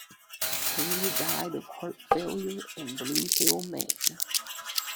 Taylor died of heart failure in Blue Hill, Maine.